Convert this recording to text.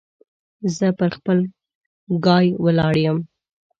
زه پر خپل ګای ولاړ يم.